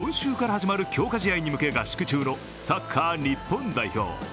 今週から始まる強化試合に向け合宿中のサッカー日本代表。